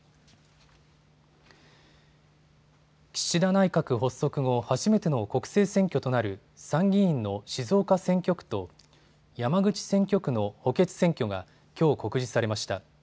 岸田内閣発足後、初めての国政選挙となる参議院の静岡選挙区と山口選挙区の補欠選挙がきょう告示されました。